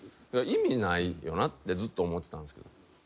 意味ないよなってずっと思ってたんですけど。